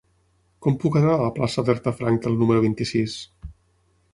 Com puc anar a la plaça d'Herta Frankel número vint-i-sis?